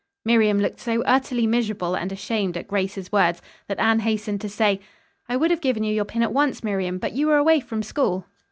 Miriam looked so utterly miserable and ashamed at Grace's words, that Anne hastened to say: "I would have given you your pin at once, Miriam, but you were away from school.